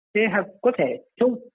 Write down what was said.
thế hoặc có thể chung